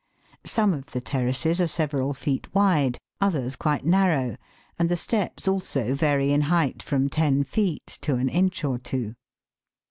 Some of the terraces are several feet wide, others quite narrow, and the steps also vary in height from ten feet to an inch or two.